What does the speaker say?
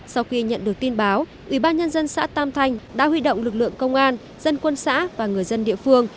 sau khi nhận được tin báo ủy ban nhân dân xã tam thanh đã huy động lực lượng công an dân quân xã và người dân địa phương